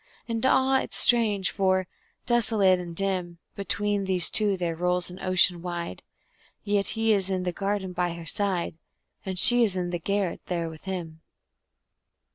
And ah, it's strange; for, desolate and dim, Between these two there rolls an ocean wide; Yet he is in the garden by her side And she is in the garret there with him.